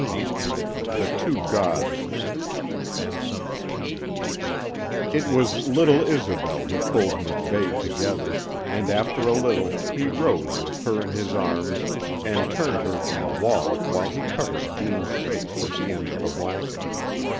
XIII THE TWO GODS It was little Isobel who pulled MacVeigh together, and after a little he rose with her in his arms and turned her from the wall while he covered Deane's face with the end of a blanket.